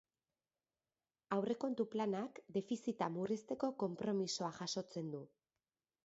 Aurrekontu-planak defizita murrizteko konpromisoa jasotzen du.